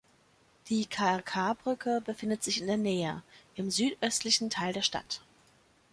Die Krk-Brücke befindet sich in der Nähe, im südöstlichen Teil der Stadt.